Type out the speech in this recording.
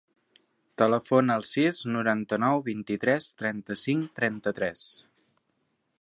Telefona al sis, noranta-nou, vint-i-tres, trenta-cinc, trenta-tres.